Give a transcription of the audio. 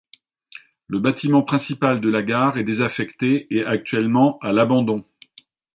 Le bâtiment principal de la gare est désaffecté et actuellement à l'abandon.